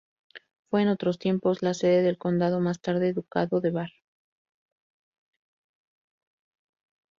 Fue, en otros tiempos, la sede del condado, más tarde, ducado de Bar.